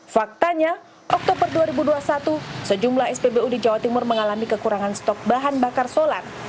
faktanya oktober dua ribu dua puluh satu sejumlah spbu di jawa timur mengalami kekurangan stok bahan bakar solar